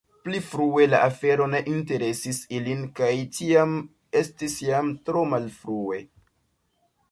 Pli frue la afero ne interesis ilin kaj tiam estis jam tro malfrue.”